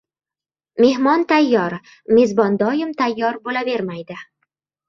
• Mehmon tayyor, mezbon doim tayyor bo‘lavermaydi.